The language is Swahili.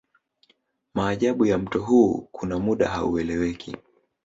Maajabu ya mto huu kuna muda haueleweki